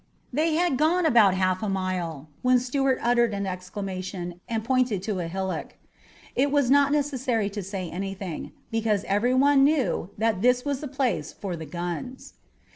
They had gone about a half mile, when Stuart uttered an exclamation and pointed to a hillock. It was not necessary to say anything, because everyone knew that this was the place for the guns.